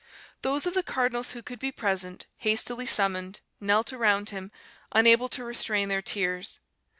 Those of the cardinals who could be present, hastily summoned, knelt around him, unable to restrain their tears.